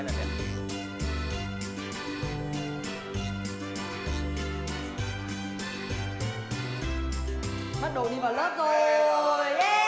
như vậy thôi xong rồi